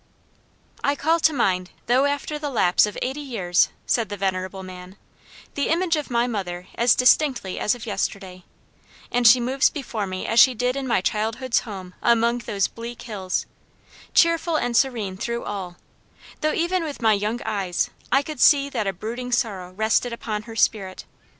"I call to mind, though after the lapse of eighty years," said the venerable man, "the image of my mother as distinctly as of yesterday, and she moves before me as she did in my childhood's home among those bleak hills cheerful and serene through all, though even with my young eyes I could see that a brooding sorrow rested upon her spirit.